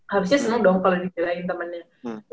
harusnya seneng dong kalo dijelain temennya